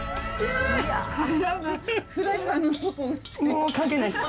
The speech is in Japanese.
もう関係ないです。